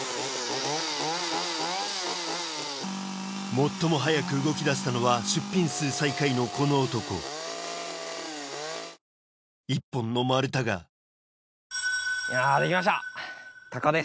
最も早く動きだしたのは出品数最下位のこの男１本の丸太がいやできました。